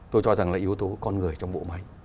tôi cho rằng là yếu tố con người trong bộ máy